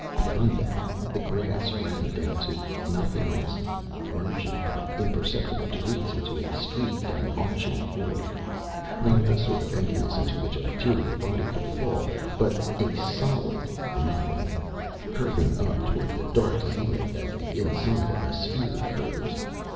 Beyond them the grass ran down to nothingness, merging by imperceptible degrees into a streaked and arching void not the sort of emptiness into which a material body could fall, but a solid nothing, curving up toward the dark zenith as the inside of a sphere curves.